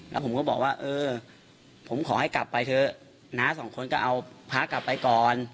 แล้วผมก็บอกว่าเออผมขอให้กลับไปเถอะน้าสองคนก็เอาพระกลับไปก่อน